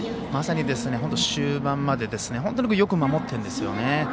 まさに本当に終盤まで本当によく守っているんですよね。